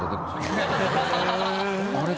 あれ？